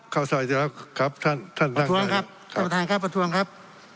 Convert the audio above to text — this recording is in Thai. เข้าใจเดี๋ยวครับท่านท่านประท้วงครับท่านประธานครับประท้วงครับ